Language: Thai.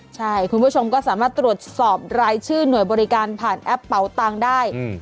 ใช่คุณผู้ชมก็สามารถตรวจสอบรายชื่อหน่วยบริการผ่านแอปเป่าตังค์ได้